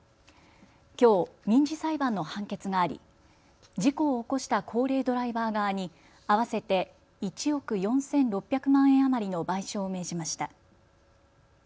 きょう民事裁判の判決があり事故を起こした高齢ドライバー側に合わせて１億４６００万円余りの賠償を命じました。